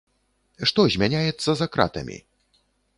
Што змяняецца за кратамі?